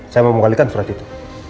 saya mau menggalikan surat itu